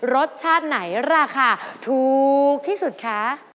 รสชาติไหนราคาถูกที่สุดคะ